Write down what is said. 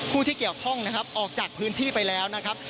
ผู้ที่เกี่ยวข้องนะครับออกจากพื้นที่ไปแล้วนะครับ